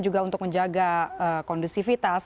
juga untuk menjaga kondusivitas